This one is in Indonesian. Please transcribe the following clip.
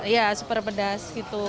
ya super pedas